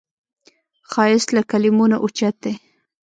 ښایست له کلمو نه اوچت دی